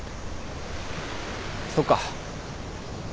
そうか。